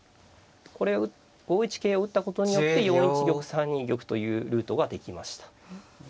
これ５一桂を打ったことによって４一玉３二玉というルートができました。